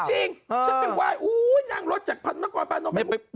จริงฉันเป็นวายนั่งรถจากพันธุ์มาก่อนพันธุ์มาก่อน